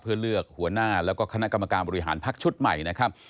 เพื่อเลือกหัวหน้าแล้วก็คณะกรรมการบริหารพักชุดใหม่นะครับ